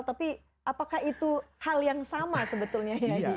tapi apakah itu hal yang sama sebetulnya ya